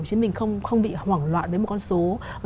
chứ mình không bị hoảng loạn với một con số